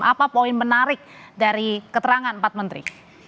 apa poin menarik dari keterangan empat menteri